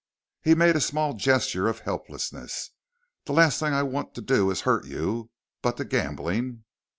He made a small gesture of helplessness. "The last thing I want to do is hurt you. But the gambling...."